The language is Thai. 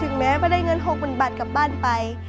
แม้ว่าได้เงิน๖๐๐๐บาทกลับบ้านไป